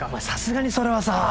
さすがにそれはさ。